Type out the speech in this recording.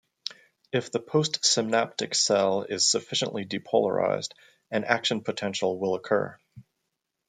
If the postsynaptic cell is sufficiently depolarized, an action potential will occur.